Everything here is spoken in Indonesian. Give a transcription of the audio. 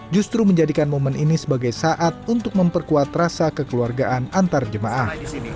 justru menjadikan momen ini sebagai saat untuk memperkuat rasa kekeluargaan antar jemaah